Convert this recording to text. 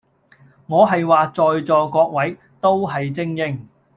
我係話在座各位都係精英